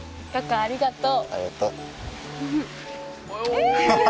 ありがとう。